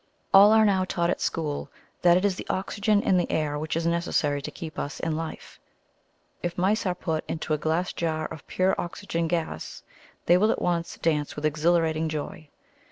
All are now taught at school that it is the oxygen in the air which is necessary to keep us in life. If mice are put into a glass jar of pure oxygen gas, they will at once dance with exhilarating joy.